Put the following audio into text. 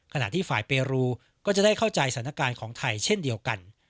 ขณะที่ฝ่ายเปรูก็จะได้เข้าใจสถานการณ์ของไทยเช่นเดียวกัน